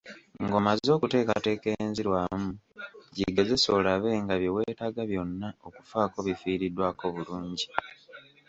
Ng’omaze okuteekateeka enzirwamu, gigezese olabe nga bye weetaaga byonna okufaako bifiiriddwako bulungi.